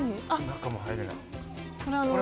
中も入れない？